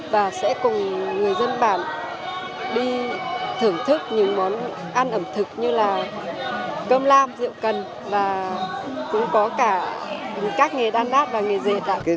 và sẽ cùng người dân bản đi thưởng thức những món ăn ẩm thực như là cơm lam rượu cần và cũng có cả các nghề đan đát và nghề dệt